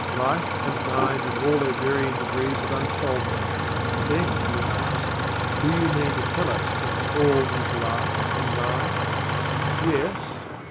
Life and Mind in all their varying degrees of unfoldment! "Then," you ask, "do you mean to tell us that THE ALL is LIFE and MIND?" Yes!